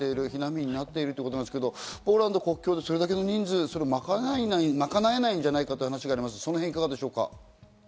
避難民になっているということですけど、ポーランド国境でそれだけの人数を賄えないんじゃないかという話があります、いかがでしょうか？